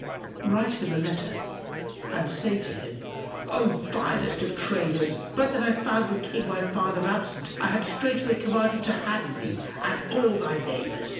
Write him a letter and say to him 'O vilest of traders, but that I found the King my father absent, I had straightway commanded to hang thee and all thy neighbours.